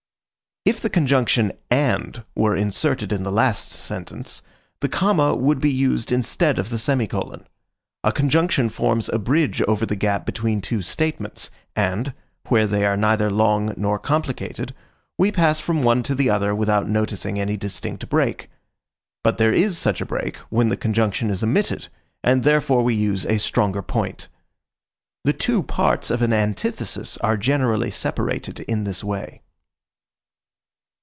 If the conjunction "and" were inserted in the last sentence, the comma would be used instead of the semicolon. A conjunction forms a bridge over the gap between two statements, and, where they are neither long nor complicated, we pass from one to the other without noticing any distinct break. But there is such a break when the conjunction is omitted, and therefore we use a stronger point. The two parts of an antithesis are generally separated in this way.